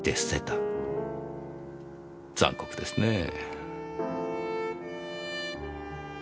残酷ですねぇ。